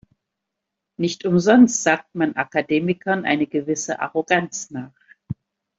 Nicht umsonst sagt man Akademikern eine gewisse Arroganz nach.